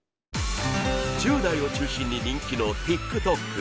１０代を中心に人気のＴｉｋＴｏｋ。